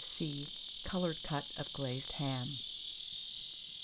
(See Coloured Cut of Glazed Ham, P.)